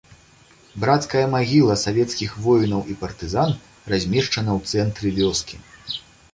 Брацкая магіла савецкіх воінаў і партызан размешчана ў цэнтры вёскі.